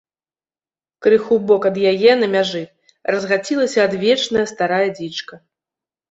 Крыху ў бок ад яе, на мяжы, разгацілася адвечная, старая дзічка.